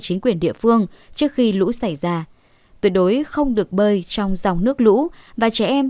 chính quyền địa phương trước khi lũ xảy ra tuyệt đối không được bơi trong dòng nước lũ và trẻ em